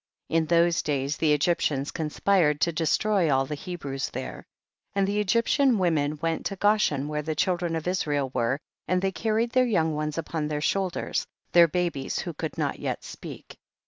6. In those days the Egyptians conspired to destroy all the Hebrews there. 7. And the Egyptian women went to Goshen where the children of Israel were, and they carried their young ones upon their shoulders, their babes who could not yet speak.